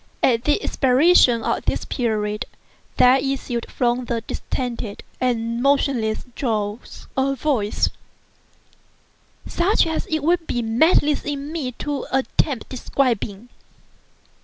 At the expiration of this period, there issued from the distended and motionless jaws a voice—such as it would be madness in me to attempt describing.